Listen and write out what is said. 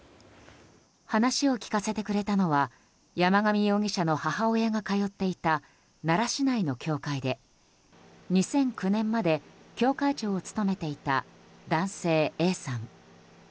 話を聞かせてくれたのは山上容疑者の母親が通っていた奈良市内の教会で２００９年まで教会長を務めていた男性Ａさん。